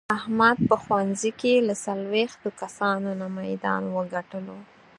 احمد په ښوونځې کې له څلوېښتو کسانو نه میدان و ګټلو.